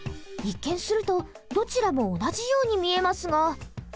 一見するとどちらも同じように見えますが。